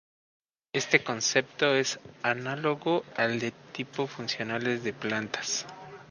Este concepto es análogo al de Tipos Funcionales de Plantas.